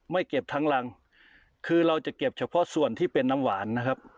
ไม่เก็บทั้งรังคือเราจะเก็บเฉพาะส่วนที่เป็นน้ำหวานนะครับ